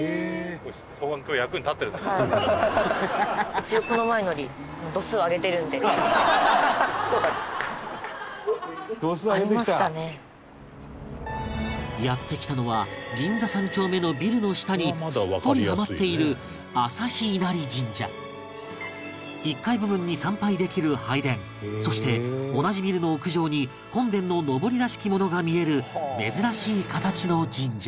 一応この前のより。「」やって来たのは銀座３丁目のビルの下にすっぽりはまっている１階部分に参拝できる拝殿そして同じビルの屋上に本殿ののぼりらしきものが見える珍しい形の神社